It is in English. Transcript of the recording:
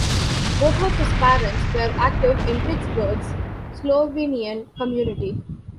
Both of his parents were active in Pittsburgh's Slovenian community.